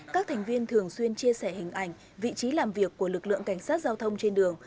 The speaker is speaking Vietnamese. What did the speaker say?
các thành viên thường xuyên chia sẻ hình ảnh vị trí làm việc của lực lượng cảnh sát giao thông trên đường